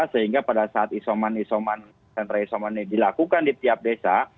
sehingga pada saat isoman isoman sentra isoman ini dilakukan di tiap desa